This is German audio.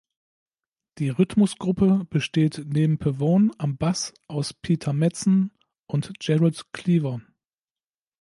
Die Rhythmusgruppe besteht neben Pavone am Bass aus Peter Madsen und Gerald Cleaver.